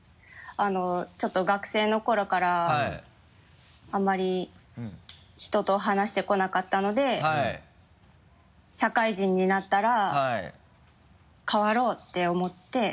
ちょっと学生の頃からあんまり人と話してこなかったので社会人になったら変わろうって思って。